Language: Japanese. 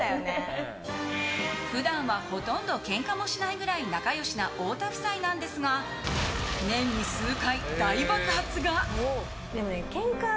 普段はほとんどケンカもしないくらい仲良しな太田夫妻なんですが年に数回大爆発が。